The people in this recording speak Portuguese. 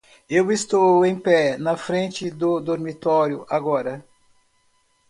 Eu estou em pé na frente do dormitório agora.